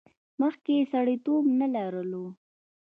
مخکې یې سړیتیوب نه لرلو.